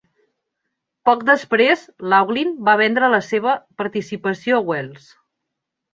Poc després, Laughlin va vendre la seva participació a Wells.